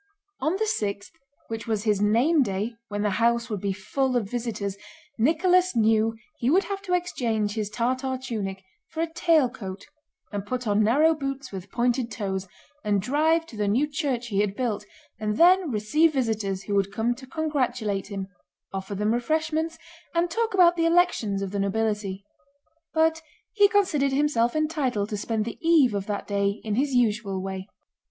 On the sixth, which was his name day when the house would be full of visitors, Nicholas knew he would have to exchange his Tartar tunic for a tail coat, and put on narrow boots with pointed toes, and drive to the new church he had built, and then receive visitors who would come to congratulate him, offer them refreshments, and talk about the elections of the nobility; but he considered himself entitled to spend the eve of that day in his usual way.